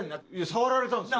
触られたんですよ。